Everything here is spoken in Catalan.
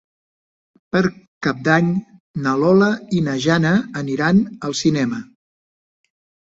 Per Cap d'Any na Lola i na Jana aniran al cinema.